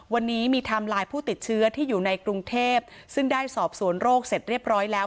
วันนี้มีไทม์ไลน์ผู้ติดเชื้อที่อยู่ในกรุงเทพซึ่งได้สอบสวนโรคเสร็จเรียบร้อยแล้ว